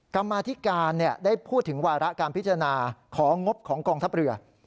กรรมาธิการได้พูดถึงวาระการพิจารณาของงบของกองทัพเรือ